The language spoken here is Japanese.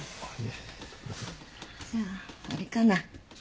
じゃああれかな？